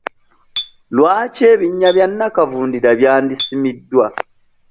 Lwaki ebinnya bya nakavundira byandisimiddwa?